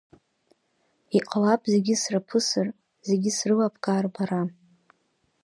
Иҟалап зегьы сраԥысыр, зегьы срылыбкаар бара.